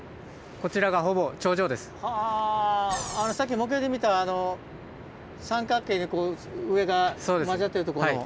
こちらがさっき模型で見た三角形でこう上が交わってるとこの。